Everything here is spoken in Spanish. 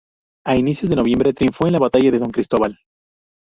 A inicios de noviembre triunfó en la batalla de Don Cristóbal.